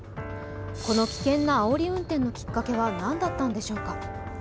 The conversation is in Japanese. この危険なあおり運転のきっかけは何だったのでしょうか。